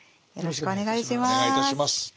よろしくお願いします。